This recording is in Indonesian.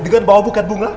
dengan bawa bukaan bunga